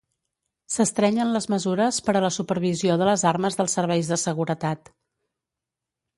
S'estrenyen les mesures per a la supervisió de les armes dels serveis de seguretat.